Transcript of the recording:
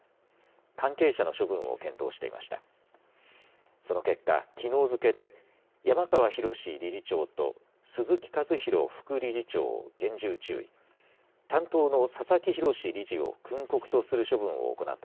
関係者の処分を検討していました。